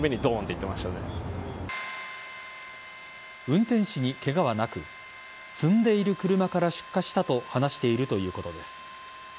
運転手にケガはなく積んでいる車から出火したと話しているということです。